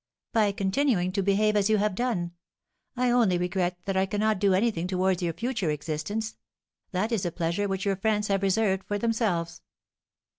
"By continuing to behave as you have done. I only regret that I cannot do anything towards your future existence; that is a pleasure which your friends have reserved for themselves."